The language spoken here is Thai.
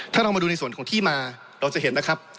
ถ้าเรามาดูในส่วนของที่มาเราจะเห็นนะครับ